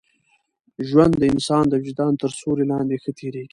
ژوند د انسان د وجدان تر سیوري لاندي ښه تېرېږي.